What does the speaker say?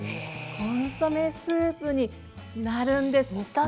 コンソメスープになるんです。